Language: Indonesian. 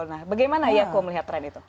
nah bagaimana ya aku melihat tren itu